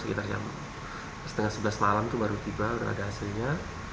sekitar jam setengah sebelas malam itu baru tiba sudah ada hasilnya